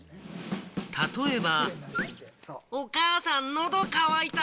例えば。